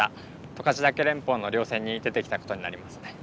十勝岳連峰の稜線に出てきたことになりますね。